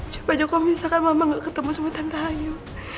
coba misalkan mama gak ketemu sama tante ayu